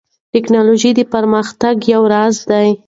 ټیکنالوژي د پرمختګ یو راز دی.